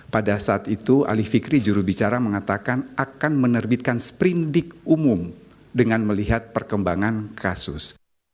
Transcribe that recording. pada saat itu ali fikri jurubicara mengatakan akan menerbitkan sprindik umum dengan melihat perkembangan kasus